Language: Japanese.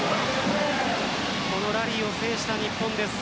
このラリーを制した日本です。